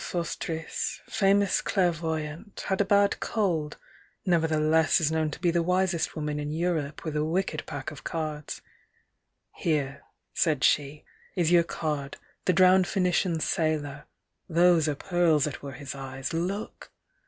Madame Sosostris, famous clairvoyante, Had a bad cold, nevertheless Is known to be the wisest woman in Europe, With a wicked pack of cards. Here, said she, Is your card, the drowned Phoenician Sailor, (Those are pearls that were his eyes. Look!)